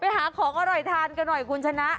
หาของอร่อยทานกันหน่อยคุณชนะ